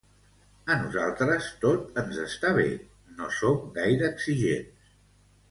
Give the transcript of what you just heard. A nosaltres tot ens està bé, no som gaire exigents.